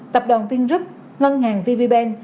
tập đoàn vingroup ngân hàng viviband